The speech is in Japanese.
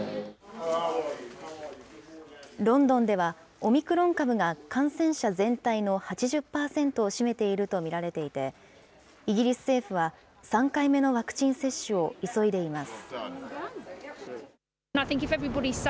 ロンドンでは、オミクロン株が感染者全体の８０％を占めていると見られていて、イギリス政府は、３回目のワクチン接種を急いでいます。